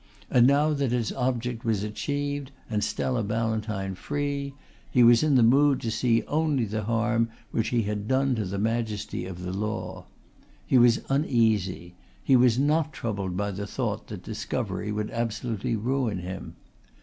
And now that its object was achieved, and Stella Ballantyne free, he was in the mood to see only the harm which he had done to the majesty of the law; he was uneasy; he was not troubled by the thought that discovery would absolutely ruin him.